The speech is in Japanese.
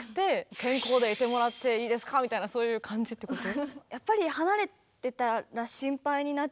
みたいなそういう感じってこと？